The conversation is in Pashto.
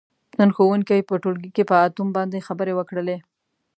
نن ښوونکي په ټولګي کې په اتوم باندې خبرې وکړلې.